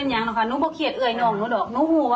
จงครั้งเคี้ยกกลี้หมดหู้ดอก